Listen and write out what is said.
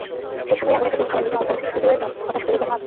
শেষ সময়ে এমন একটা গোল খাওয়ায় লিভারপুল কোচ ইয়ুর্গেন ক্লপ হতাশ হতেই পারেন।